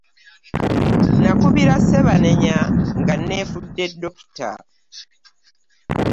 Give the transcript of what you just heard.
Nakubira Ssebanenya nga nneefudde Dokita.